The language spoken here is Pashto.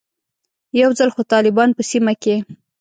یو ځل خو طالبان په سیمه کې.